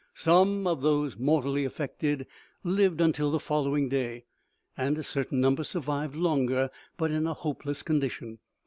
Some of those mortally effected lived until the following day, and a certain number survived longer, but in a hopeless condition.